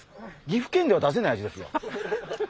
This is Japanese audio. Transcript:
岐阜県では出せない味ですよ。